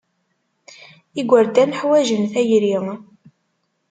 Igerdan ḥwajen tayri.